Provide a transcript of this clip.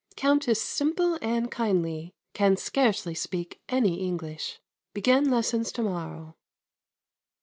Countess simple and kindly, can scarcely speak any English. Begin lessons to morrow.